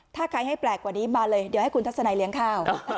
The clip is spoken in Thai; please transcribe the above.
ถ้าใครให้แปลกกว่านี้มาเลยเดี๋ยวให้คุณทัศนัยเลี้ยงข้าว